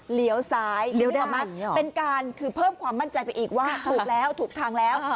เหลียวซ้ายเป็นการเพิ่มความมั่นใจไปอีกว่าถูกแล้วถูกทางแล้ว